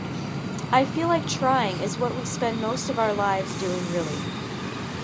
I feel like trying is what we spend most of our lives doing really.